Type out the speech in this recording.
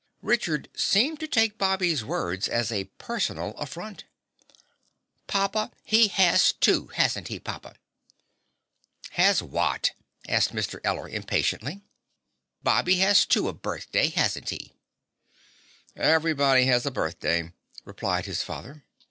Richard seemed to take Bobby's words as a personal affront. "Papa, he has too, hasn't he, papa?" "Has what?" asked Mr. Eller impatiently. "Bobby has too a birthday, hasn't he?" "Everybody has a birthday," replied his father.